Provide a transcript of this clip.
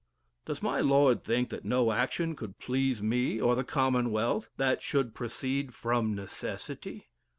Does my lord think that no action could please me, or the commonwealth, that should proceed from necessity!